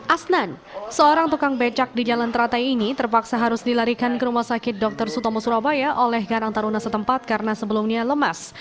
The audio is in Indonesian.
asnan seorang tukang becak di jalan teratai ini terpaksa harus dilarikan ke rumah sakit dr sutomo surabaya oleh karang taruna setempat karena sebelumnya lemas